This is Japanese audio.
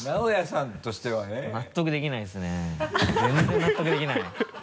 尚哉さんとしてはね。納得できないですね全然納得できない。